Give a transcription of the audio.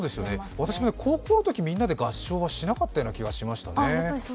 私も高校のとき、みんなで合唱はしなかったような気がしますね。